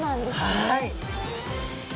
はい！